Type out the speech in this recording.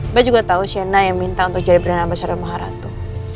mbak juga tau sienna yang minta untuk jadi perintah aba sarawak maharatu